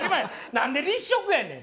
何で立食やねん！